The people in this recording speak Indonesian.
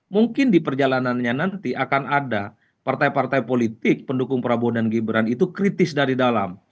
mungkin di perjalanannya nanti akan ada partai partai politik pendukung prabowo dan gibran itu kritis dari dalam